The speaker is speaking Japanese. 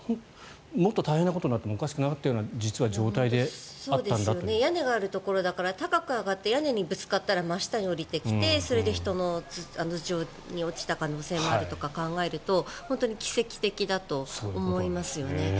もっと大変なことになってもおかしくないような屋根のあるところだから高く上がって屋根にぶつかったら真下に落ちてきてそれで人の頭上に落ちた可能性もあるとか考えると本当に奇跡的だと思いますよね。